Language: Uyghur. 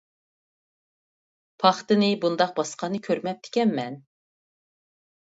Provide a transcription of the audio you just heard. پاختىنى بۇنداق باسقاننى كۆرمەپتىكەنمەن.